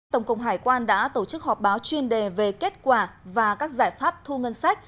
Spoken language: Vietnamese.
tổng cục hải quan đã tổ chức họp báo chuyên đề về kết quả và các giải pháp thu ngân sách